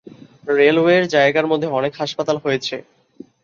রেলওয়ের জায়গার মধ্যে অনেক হাসপাতাল হয়েছে।